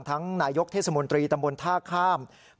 ทั้งหนายกเทศมนตรีตำบวนภาค่าม